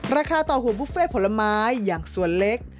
ราคาต่อหุ่นบุฟเฟ่ผลไม้อย่างส่วนเล็ก